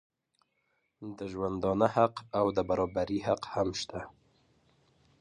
د ژوندانه حق او د برابري حق هم شته.